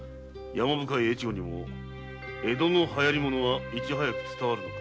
山深い越後にも江戸の流行物はいち早く伝わるのか。